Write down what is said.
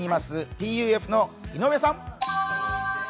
ＴＵＦの井上さん。